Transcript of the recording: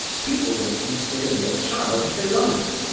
People may consider me a child if they like.